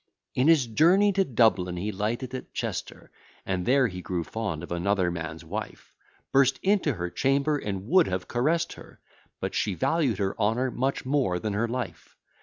In his journey to Dublin, he lighted at Chester, And there he grew fond of another man's wife; Burst into her chamber and would have caress'd her; But she valued her honour much more than her life.